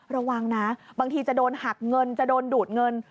ระวังนะบางทีจะโดนหักเงินจะโดนดูดเงิน